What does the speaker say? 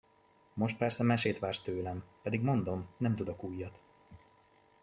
Most persze mesét vársz tőlem, pedig mondom, nem tudok újat.